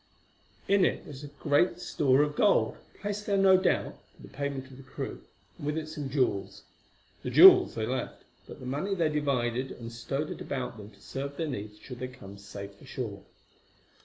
In it was a great store of gold, placed there, no doubt, for the payment of the crew, and with it some jewels. The jewels they left, but the money they divided and stowed it about them to serve their needs should they come safe ashore.